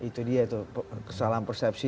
itu dia itu kesalahan persepsi